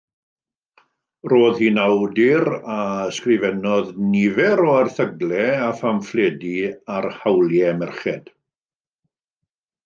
Roedd hi'n awdur a ysgrifennodd nifer o erthyglau a phamffledi ar hawliau merched.